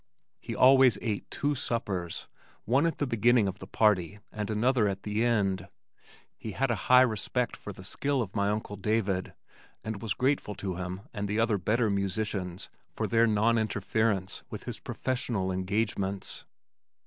He always ate two suppers, one at the beginning of the party and another at the end. He had a high respect for the skill of my Uncle David and was grateful to him and other better musicians for their non interference with his professional engagements.